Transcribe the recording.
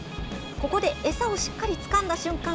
ここで餌をしっかりつかんだ瞬間